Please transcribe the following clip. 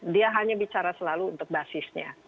dia hanya bicara selalu untuk basisnya